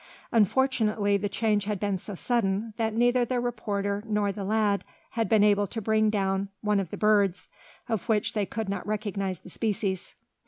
Unfortunately the change had been so sudden that neither the reporter nor the lad had been able to bring down one of these birds, of which they could not recognise the species.